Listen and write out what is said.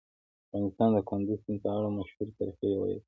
افغانستان د کندز سیند په اړه مشهور تاریخی روایتونه لري.